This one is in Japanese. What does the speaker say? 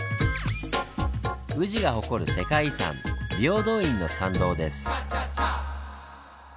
宇治が誇る世界遺産平等院の参道です。